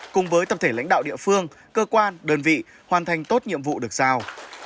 cùng với tập thể lãnh đạo địa phương cơ quan đơn vị hoàn thành tốt nhiệm vụ được giao